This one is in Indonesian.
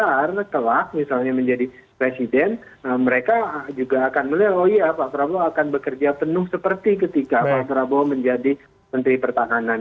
karena setelah misalnya menjadi presiden mereka juga akan melihat oh iya pak prabowo akan bekerja penuh seperti ketika pak prabowo menjadi menteri pertahanan